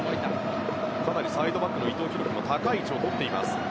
かなりサイドバックの伊藤洋輝も高い位置を取ります。